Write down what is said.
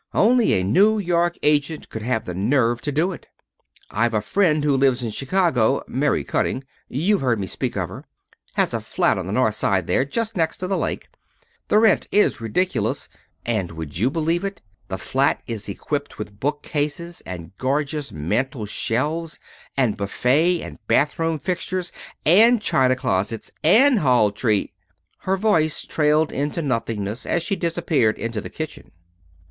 "Only a New York agent could have the nerve to do it. I've a friend who lives in Chicago Mary Cutting. You've heard me speak of her. Has a flat on the north side there, just next door to the lake. The rent is ridiculous; and would you believe it? the flat is equipped with bookcases, and gorgeous mantel shelves, and buffet, and bathroom fixtures, and china closets, and hall tree " Her voice trailed into nothingness as she disappeared into the kitchen.